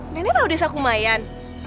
nenek tau desa kumayan